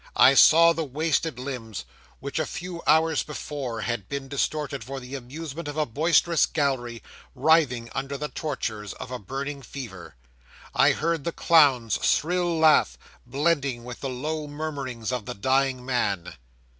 I saw the wasted limbs which a few hours before had been distorted for the amusement of a boisterous gallery, writhing under the tortures of a burning fever I heard the clown's shrill laugh, blending with the low murmurings of the dying man.